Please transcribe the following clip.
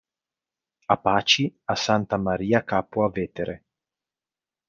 Apache a Santa Maria Capua Vetere.